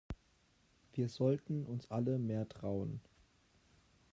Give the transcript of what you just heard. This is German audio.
Wir sollten uns alle mehr trauen.